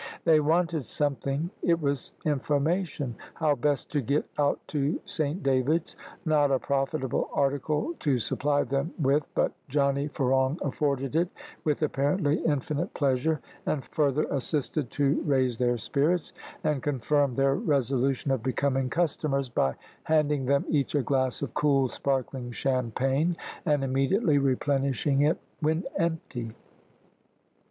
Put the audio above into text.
They wanted something it was information how best to get out to Saint David's, not a profitable article to supply them with, but Johnny Ferong afforded it, with apparently infinite pleasure, and further assisted to raise their spirits, and confirm their resolution of becoming customers, by handing them each a glass of cool, sparkling champagne, and immediately replenishing it when empty.